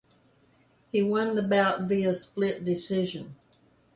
He won the bout via split decision.